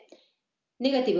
ネガティブ